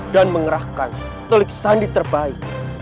dan mengerahkan tulik sandi terbaik